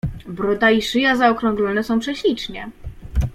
"Broda i szyja zaokrąglone są prześlicznie."